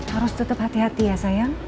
harus tetap hati hati ya sayang